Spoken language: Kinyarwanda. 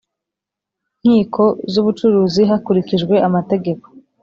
Nkiko z Ubucuruzi hakurikijwe amategeko